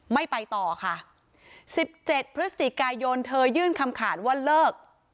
ไม่ไปต่อค่ะสิบเจ็ดพฤศจิกายนเธอยื่นคำขาดว่าเลิก